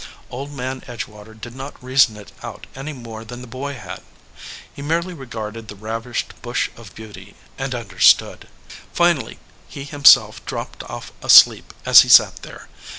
Old Man Edgewater did not reason it out any more than the boy had. He merely regarded the ravished bush of beauty, and understood. Finally he himself dropped off asleep as he sat there.